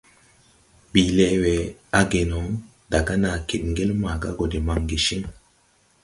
Bìi lɛʼ wɛ age no, daga nàa kid ŋgel maaga gɔ de maŋge ciŋ.